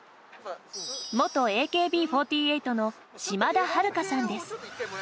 元ＡＫＢ４８の島田晴香さんです。